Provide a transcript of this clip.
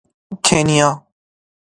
کنیا